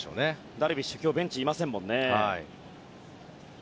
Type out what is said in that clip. ダルビッシュは今日ベンチにいません。